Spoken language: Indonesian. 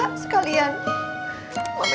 bisa telak tiga sekalian